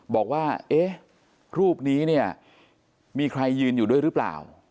บอกว่าเอ๊ะรูปนี้เนี่ยมีใครยืนอยู่ด้วยหรือเปล่า